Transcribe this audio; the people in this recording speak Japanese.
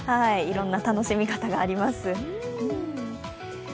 いろんな楽しみ方があります。